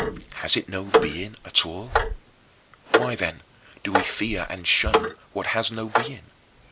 Has it no being at all? Why, then, do we fear and shun what has no being?